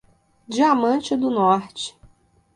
Diamante do Norte